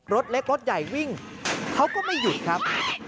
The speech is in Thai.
รถเล็กรถใหญ่วิ่งเขาก็ไม่หยุดครับ